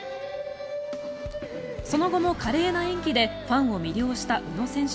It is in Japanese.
その後も華麗な演技でファンを魅了した宇野選手。